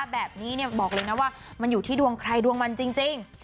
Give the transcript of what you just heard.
แบบนี้บอกเลยนะว่ามันอยู่ที่ดวงใครดวงมันจริง